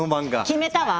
決めたわ！